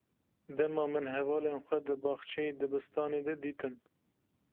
Dema min hevalên xwe di baxçeyê dibistanê de dîtin.